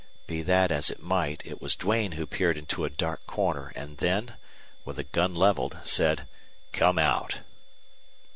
Be that as it might, it was Duane who peered into a dark corner and then, with a gun leveled, said "Come out!"